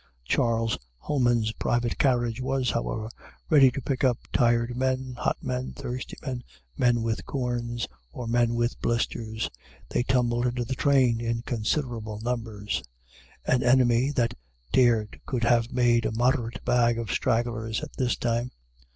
Charles Homans's private carriage was, however, ready to pick up tired men, hot men, thirsty men, men with corns, or men with blisters. They tumbled into the train in considerable numbers. An enemy that dared could have made a moderate bag of stragglers at this time.